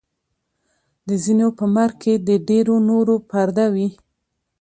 د ځینو په مرګ کې د ډېرو نورو پرده وي.